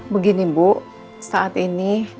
begini bu saat ini